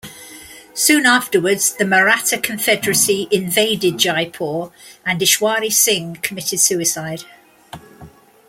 Soon afterwards the Maratha Confederacy invaded Jaipur and Ishwari Singh committed suicide.